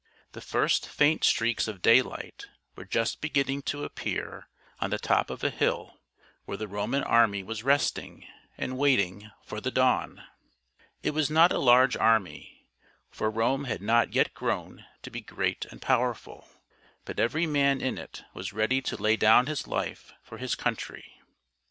The first faint streaks of daylight were just beginning to appear on the top of a hill where the Roman army was resting and waiting for the dawn. It was not a large army, for Rome had not yet grown to be great and power ful ; but every man in it was ready to lay down his life for his country.